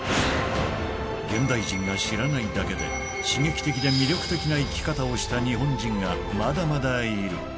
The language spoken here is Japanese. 現代人が知らないだけで、刺激的で魅力的な生き方をした日本人がまだまだいる。